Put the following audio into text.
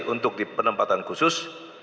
untuk penempatan khusus